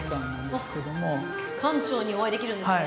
館長にお会いできるんですね。